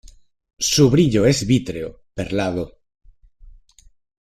Su brillo es vítreo, perlado.